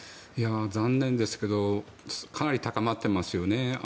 残念ですけどかなり高まっていますよね。